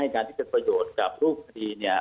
มาให้การที่จะประโยชน์กับลูกคุณพิดีก์เนี่ย